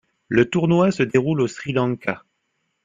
Le tournoi se déroule au Sri Lanka.